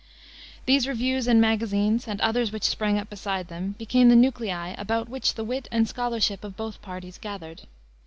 These reviews and magazines, and others which sprang up beside them, became the nuclei about which the wit and scholarship of both parties gathered.